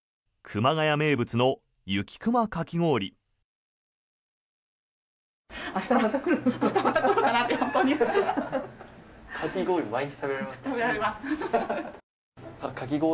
熊谷名物の雪くまかき氷。